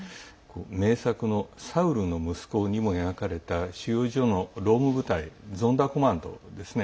名作の「サウルの息子」にも描かれた収容所の労務部隊ゾンダーコマンドですね。